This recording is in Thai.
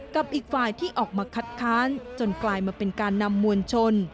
กับอีกฝ่ายที่ออกมาคัดค้านจนกลายมาเป็นการนำมวลชน